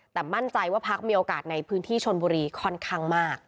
แต่มั่นใจว่าพักมีโอกาสในพื้นที่ชนบุรีค่อนข้างมาก